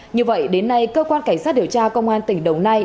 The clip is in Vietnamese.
như vậy đến nay cơ quan cảnh sát điều tra công an tỉnh đồng nai